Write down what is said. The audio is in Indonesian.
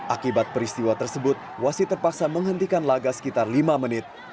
akibat peristiwa tersebut wasit terpaksa menghentikan laga sekitar lima menit